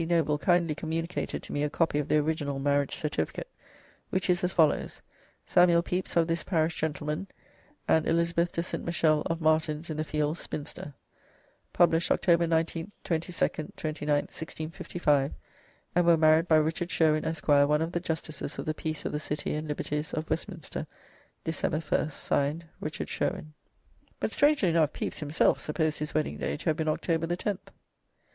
Noble kindly communicated to me a copy of the original marriage certificate, which is as follows: "Samuell Peps of this parish Gent. & Elizabeth De Snt. Michell of Martins in the fields, Spinster. Published October 19tn, 22nd, 29th 1655, and were married by Richard Sherwin Esqr one of the justices of the Peace of the Cittie and Lyberties of Westm. December 1st. (Signed) Ri. Sherwin."] but strangely enough Pepys himself supposed his wedding day to have been October 10th.